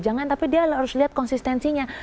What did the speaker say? jangan tapi dia harus lihat konsistensinya